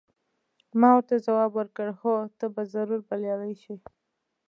ما ورته ځواب ورکړ: هو، ته به ضرور بریالۍ شې.